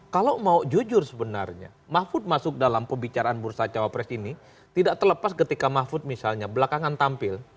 kalau mau jujur sebenarnya mafud masuk dalam pebicaraan bursa cawa pres ini tidak terlepas ketika mafud misalnya belakangan tampil